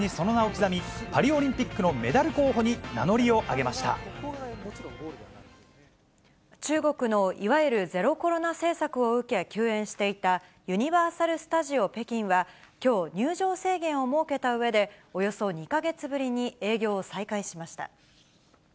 日本競泳界にその名を刻み、パリオリンピックのメダル候補に中国のいわゆるゼロコロナ政策を受け、休園していたユニバーサル・スタジオ北京は、きょう、入場制限を設けたうえで、およそ２か月ぶりに営業を再開しました。